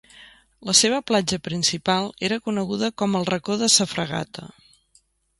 La seva platja principal era coneguda com el Racó de sa Fragata.